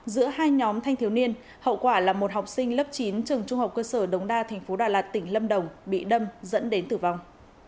giữa hai nhóm thanh thiếu niên hậu quả là một học sinh lớp chín trường trung học cơ sở đống đa tp đà lạt tỉnh lâm đồng bị đâm dẫn đến tử vong